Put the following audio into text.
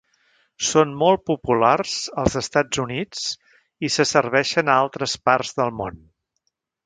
Són molt populars als Estats Units i se serveixen a altres parts del món.